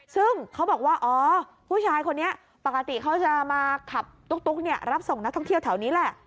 ซึ่งเขาบอกว่าอ๋อผู้ชายคนนี้ปกติเขาจะมาขับตุ๊กรับส่งนักท่องเที่ยวแถวนี้แหละ